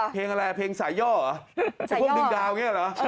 เพลงอะไรเพลงสายย่อเหรอไอ้พวกดึงดาวอย่างนี้เหรอ